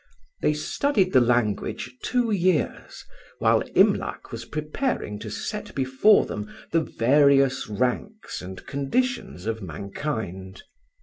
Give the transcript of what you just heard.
They studied the language two years, while Imlac was preparing to set before them the various ranks and conditions of mankind.